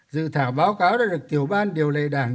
dự thảo báo cáo đã được tiểu ban điều lệ đảng